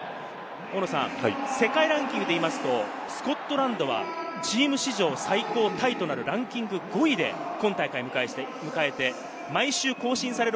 世界ランキングでいいますと、スコットランドはチーム史上最高タイとなるランキング５位で今大会を迎えて、毎週更新される